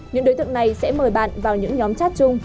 những đối tượng này sẽ mời bạn vào những nhóm chat chung